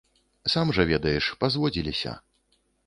Сам жа ведаеш, пазводзіліся.